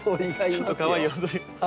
ちょっとかわいい。